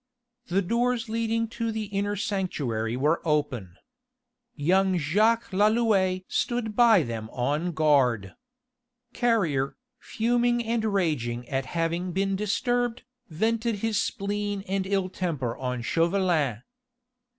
The doors leading to the inner sanctuary were open. Young Jacques Lalouët stood by them on guard. Carrier, fuming and raging at having been disturbed, vented his spleen and ill temper on Chauvelin.